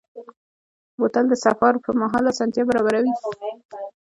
بوتل د سفر پر مهال آسانتیا برابروي.